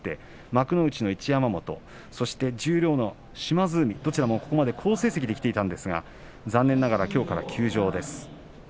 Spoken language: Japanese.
前頭一山本、そして十両の島津海どちらも好成績できていましたが残念ながら、きょうから休場です。